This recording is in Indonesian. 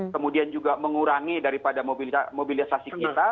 kemudian juga mengurangi daripada mobilisasi kita